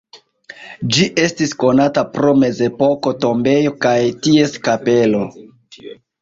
Ĝi estis konata pro mezepoka tombejo kaj ties kapelo.